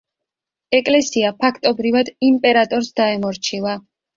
ეკლესია ფაქტობრივად იმპერატორს დაემორჩილა.